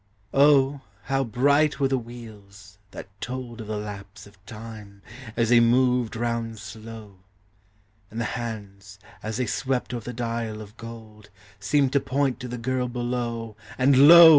351 Oh, how bright were the wheels, that told Of the lapse of time, as they moved round slow; And the hands, as they swept o'er the dial of gold, Seemed to point to the girl below. And lo!